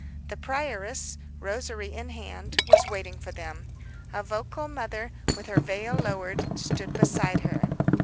The prioress, rosary in hand, was waiting for them. A vocal mother, with her veil lowered, stood beside her.